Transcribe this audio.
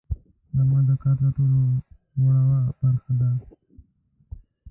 غرمه د کار تر ټولو وروه برخه ده